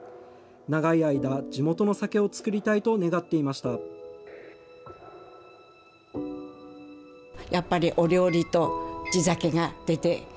長い間、地元の酒を造りたいと願っていました。